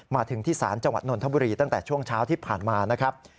มาถึงที่ศาลจังหวัดนนทบุรีตั้งแต่ช่วงเช้าที่ผ่านมานะครับ